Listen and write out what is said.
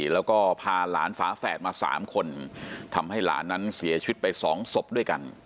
แล้วก็พาหลานฝาแฝดมา๓คนทำให้หลานนั้นเสียชีวิตไป๒ศพด้วยกัน